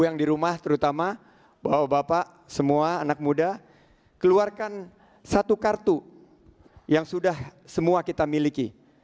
yang di rumah terutama bawa bapak semua anak muda keluarkan satu kartu yang sudah semua kita miliki